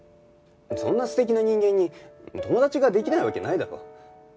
そんな素敵な人間に友達ができないわけないだろ。